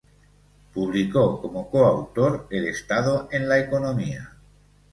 Publicó como coautor El Estado en la Economía.